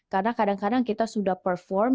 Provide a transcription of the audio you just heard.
karena kadang kadang kita sudah perform